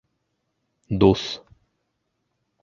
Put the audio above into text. Дуҫ...